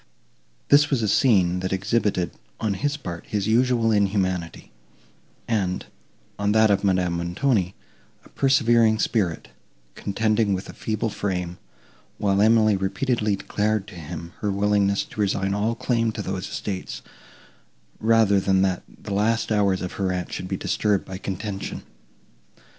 This was a scene, that exhibited, on his part, his usual inhumanity, and, on that of Madame Montoni, a persevering spirit, contending with a feeble frame; while Emily repeatedly declared to him her willingness to resign all claim to those estates, rather than that the last hours of her aunt should be disturbed by contention.